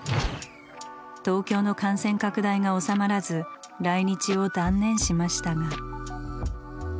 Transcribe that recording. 東京の感染拡大が収まらず来日を断念しましたが。